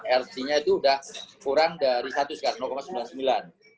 rc nya itu sudah kurang dari satu sekarang sembilan puluh sembilan